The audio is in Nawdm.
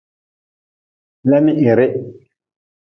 Lemihirih.